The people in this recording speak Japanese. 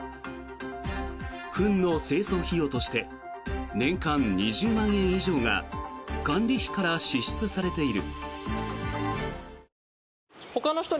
フンの清掃費用として年間２０万円以上が管理費から支出されている。